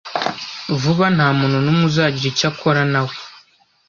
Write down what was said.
Vuba ntamuntu numwe uzagira icyo akora nawe.